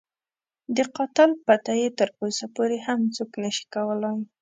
د قاتل پته یې تر اوسه پورې هم څوک نه شي کولای.